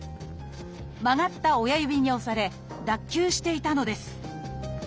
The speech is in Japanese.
曲がった親指に押され脱臼していたのです。